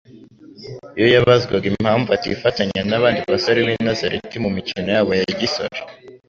Iyo yabazwaga impamvu atifatanya n'abandi basore b'i Nazareti mu mikino yabo ya gisore,